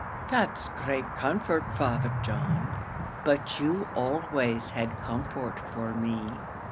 "That's great comfort, Father John; but you always had comfort for me.